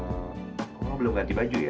eh kok kamu belum ganti baju ya